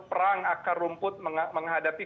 perang akar rumput menghadapi